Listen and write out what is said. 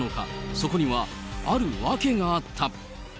そこにはある訳があった。